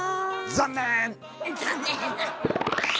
残念。